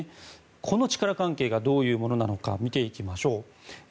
この力関係がどういうものなのか見ていきましょう。